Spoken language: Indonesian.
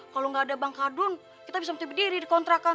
kalo gak ada bankardun kita bisa muntah berdiri di kontrakan